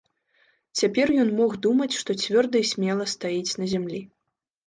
Цяпер ён мог думаць, што цвёрда і смела стаіць на зямлі.